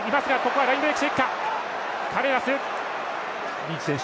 リーチ選手